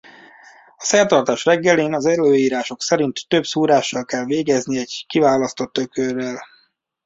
A szertartás reggelén az előírások szerint több szúrással kell végezni egy kiválasztott ökörrel.